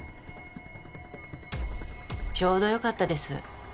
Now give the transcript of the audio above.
ちょうどよかったです